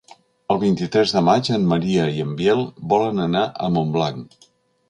El vint-i-tres de maig en Maria i en Biel volen anar a Montblanc.